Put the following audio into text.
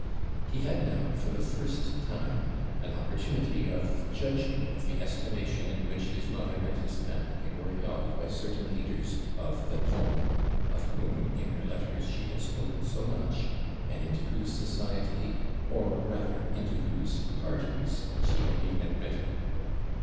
He had now, for the first time, an opportunity of judging of the estimation in which his mother and his family were held by certain leaders of the ton, of whom, in her letters, she had spoken so much, and into whose society, or rather into whose parties, she had been admitted.